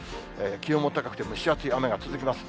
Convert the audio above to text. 気温も高くて、蒸し暑い雨が続きます。